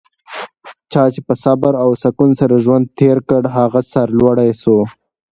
چا چي په صبر او سکون سره ژوند تېر کړ؛ هغه سرلوړی سو.